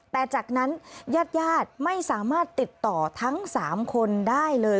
แต่จากนั้นญาติญาติไม่สามารถติดต่อทั้ง๓คนได้เลย